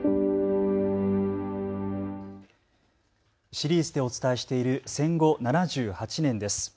シリーズでお伝えしている戦後７８年です。